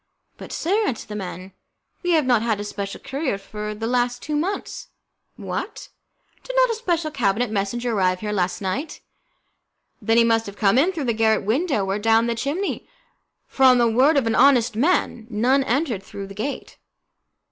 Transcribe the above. "But, sir," answered the man, "we have not had a special courier for the last two months." "What? Did not a special cabinet messenger arrive here last night?" "Then he must have come in through the garret window or down the chimney, for, on the word of an honest man, none entered through the gate."